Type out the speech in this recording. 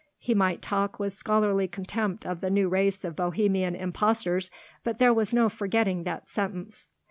He might talk with scholarly contempt of the new race of Bohemian impostors; but there was no forgetting that sentence.